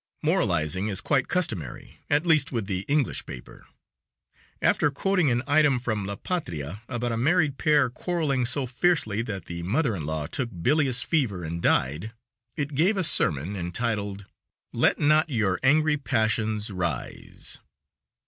Moralizing is quite customary, at least with the English paper. After quoting an item from La Patria about a married pair quarreling go fiercely that the mother in law took bilious fever and died, it gave a sermon entitled: "Let not your angry passions rise."